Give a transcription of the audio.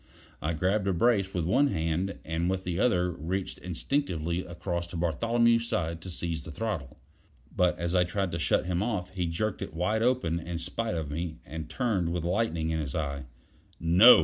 I grabbed a brace with one hand, and with the other reached instinctively across to Bartholomew's side to seize the throttle. But as I tried to shut him off, he jerked it wide open in spite of me, and turned with lightning in his eye. "No!"